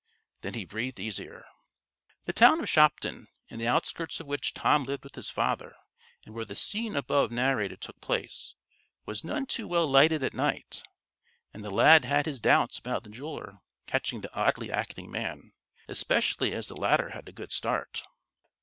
Then he breathed easier. The town of Shopton, in the outskirts of which Tom lived with his father, and where the scene above narrated took place, was none too well lighted at night, and the lad had his doubts about the jeweler catching the oddly acting man, especially as the latter had a good start.